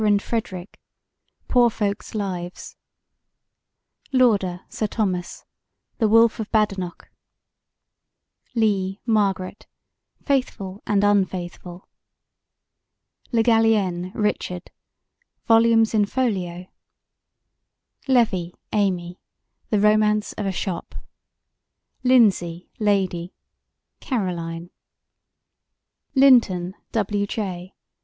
FREDERICK: Poor Folks' Lives LAUDER, SIR THOMAS: The Wolfe of Badenoch LEE, MARGARET: Faithful and Unfaithful LE GALLIENNE, RICHARD: Volumes in Folio LEVY, AMY: The Romance of a Shop LINDSAY, LADY: Caroline LINTON, W. J.